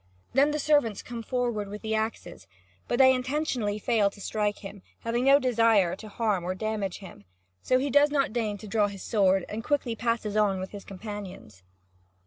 Then the servants come forward with the axes, but they intentionally fail to strike him, having no desire to harm or damage him; so he does not deign to draw his sword, and quickly passes on with his companions.